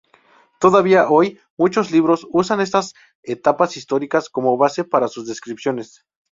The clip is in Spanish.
Todavía hoy, muchos libros usan estas etapas históricas como base para sus descripciones.